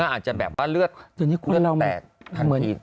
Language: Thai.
อาจจะแบบว่าเลือดแตกทันที